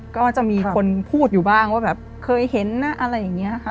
ก็จะมีคนพูดอยู่บ้างว่าแบบเคยเห็นนะอะไรอย่างนี้ค่ะ